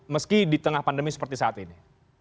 meski di tengah pandemi seperti saat ini